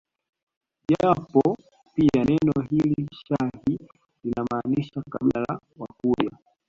Japo pia neno hili shahi linamaanisha kabila la Wakurya